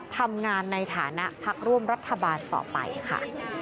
ทำงานในฐานะพักร่วมรัฐบาลต่อไปค่ะ